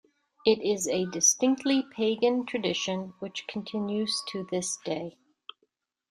It is a distinctly Pagan tradition which continues to this day.